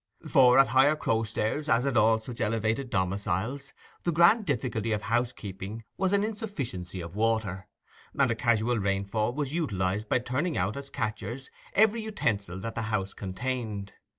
For at Higher Crowstairs, as at all such elevated domiciles, the grand difficulty of housekeeping was an insufficiency of water; and a casual rainfall was utilized by turning out, as catchers, every utensil that the house contained.